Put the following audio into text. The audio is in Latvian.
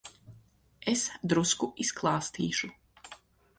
Es drusku izklāstīšu.